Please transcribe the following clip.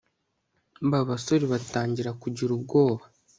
babasore batangira kugira ubwoba